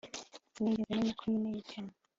sinigeze menya ko nkeneye cyane